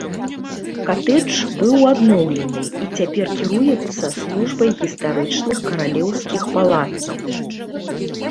Катэдж быў адноўлены і цяпер кіруецца службай гістарычных каралеўскіх палацаў.